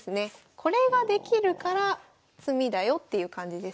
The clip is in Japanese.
これができるから詰みだよっていう感じです。